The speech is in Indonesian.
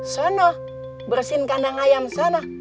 seno bersihin kandang ayam seno